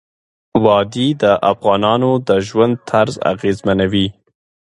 وادي د افغانانو د ژوند طرز اغېزمنوي.